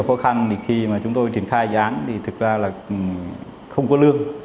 khó khăn thì khi mà chúng tôi triển khai dự án thì thực ra là không có lương